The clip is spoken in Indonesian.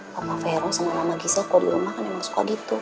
bapak fero sama mama giseko di rumah kan emang suka gitu